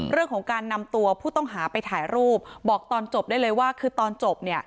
เรื่องของการนำตัวผู้ต้องหาไปถ่ายรูปบอกตอนจบได้เลยว่าคือตอนจบเนี่ย